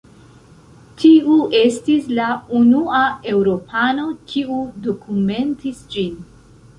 Tiu estis la unua eŭropano kiu dokumentis ĝin.